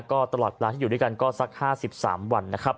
ก็ตลอดเวลาที่อยู่ด้วยกันก็สัก๕๓วันนะครับ